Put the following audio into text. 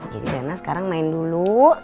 jadi rana sekarang main dulu